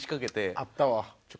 あったわ。